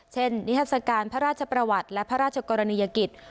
นิทัศกาลพระราชประวัติและพระราชกรณียกิจ